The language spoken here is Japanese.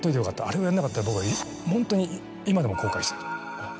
あれをやらなかったら僕はホントに今でも後悔してる。